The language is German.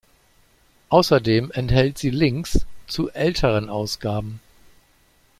Außerdem enthält sie Links zu älteren Ausgaben.